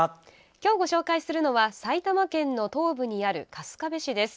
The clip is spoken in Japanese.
今日ご紹介するのは埼玉県の東部にある春日部市です。